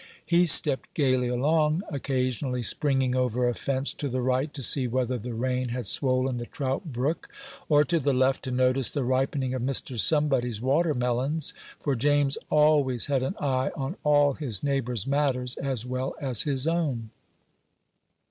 He stepped gayly along, occasionally springing over a fence to the right to see whether the rain had swollen the trout brook, or to the left to notice the ripening of Mr. Somebody's watermelons for James always had an eye on all his neighbors' matters as well as his own.